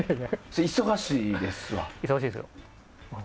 忙しいですわ。